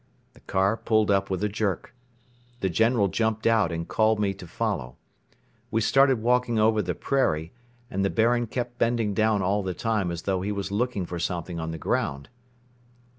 The car pulled up with a jerk. The General jumped out and called me to follow. We started walking over the prairie and the Baron kept bending down all the time as though he were looking for something on the ground.